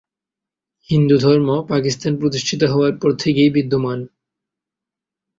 হিন্দুধর্ম পাকিস্তান প্রতিষ্ঠিত হওয়ার পর থেকেই বিদ্যমান।